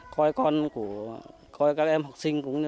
coi con của các em học sinh